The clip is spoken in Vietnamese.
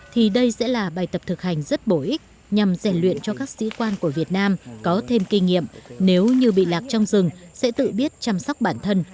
thì đây sẽ là bài tập thực hành rất bổ ích nhằm dạy luyện cho các sĩ quan của việt nam có thêm kinh nghiệm nếu như bị lạc trong rừng sẽ tự biết chăm sóc bản thân